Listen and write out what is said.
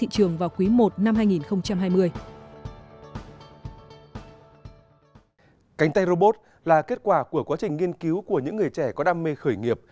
cảnh tay robot là kết quả của quá trình nghiên cứu của những người trẻ có đam mê khởi nghiệp